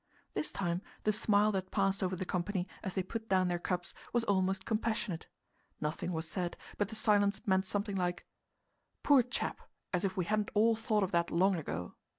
This time the smile that passed over the company, as they put down their cups, was almost compassionate. Nothing was said, but the silence meant something like: "Poor chap! as if we hadn't all thought of that long ago!"